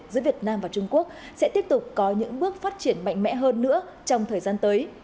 giữa việt nam và trung quốc sẽ tiếp tục có những bước phát triển mạnh mẽ hơn nữa trong thời gian tới